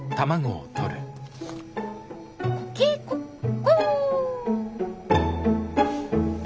コケコッコー！